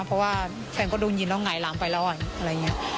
เพราะว่าแฟนก็ดูยินแล้วหงายหลังไปแล้วอ่ะ